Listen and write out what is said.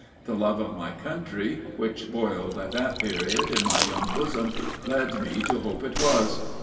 The love of my country, which boiled, at that period, in my young bosom, led me to hope it was."